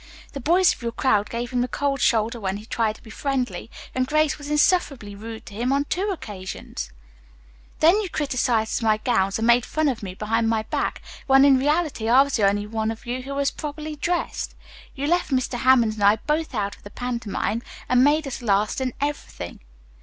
The boys of your crowd gave him the cold shoulder when he tried to be friendly and Grace was insufferably rude to him on two different occasions. "Then you criticized my gowns and made fun of me behind my back, when in reality I was the only one of you who was properly dressed. You left Mr. Hammond and I both out of the pantomime, and made us last in everything.